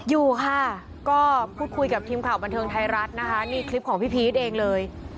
อยู่ค่ะก็พูดคุยกับทีมข่าวบันเทิงไทยรัฐนะคะนี่คลิปของพี่พีชเองเลย